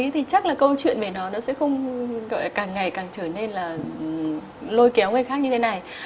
thì chắc là câu chuyện về nó nó sẽ không gọi là càng ngày càng trở nên là lôi kéo người khác như thế này